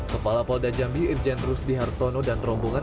kepala polda jambi irjen rusdi hartono dan rombongan